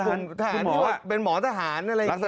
ทหารที่เป็นหมอทหารอะไรอย่างนี้คุณหมอ